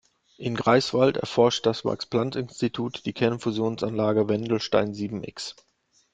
In Greifswald erforscht das Max-Planck-Institut die Kernfusionsanlage Wendelstein sieben-X.